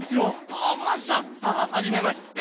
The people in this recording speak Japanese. あ桝さんはじめまして！